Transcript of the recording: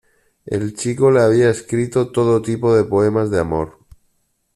El chico le había escrito todo tipo de poemas de amor.